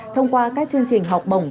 thông qua các chương trình học bồng